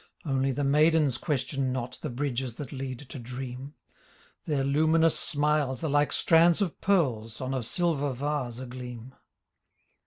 Only the maidens question not The bridges that lead to Dream; Their luminous smiles are like strands of pearls On a silver vase agleam.